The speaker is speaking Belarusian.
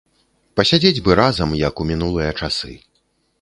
Пасядзець бы разам, як у мінулыя часы.